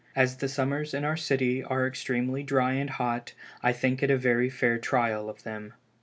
As the summers in our city are extremely dry and hot, I think it a very fair trial of them.